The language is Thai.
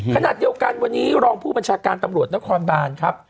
ขณะเดียวกันวันนี้รองผู้บัญชาการตำรวจนครบานครับ